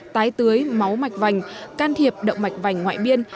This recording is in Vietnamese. tái tưới máu mạch vành can thiệp động mạch vành ngoại biên